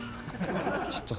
ちょっと。